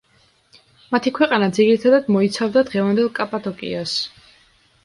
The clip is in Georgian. მათი ქვეყანა ძირითადად მოიცავდა დღევანდელ კაპადოკიას.